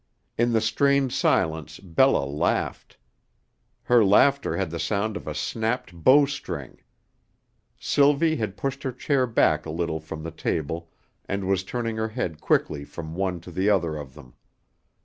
In the strained silence Bella laughed. Her laughter had the sound of a snapped bow string. Sylvie had pushed her chair back a little from the table and was turning her head quickly from one to the other of them.